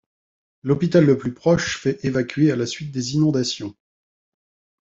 L'hôpital le plus proche fait évacuer à la suite des inondations.